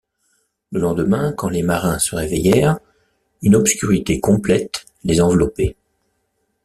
Le lendemain, quand les marins se réveillèrent, une obscurité complète les enveloppait.